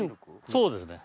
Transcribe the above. そうですね。